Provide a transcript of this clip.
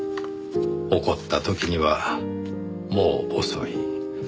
起こった時にはもう遅い。